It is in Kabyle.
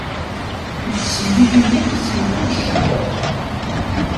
Ittsellik-iyi-d si mkul ccedda.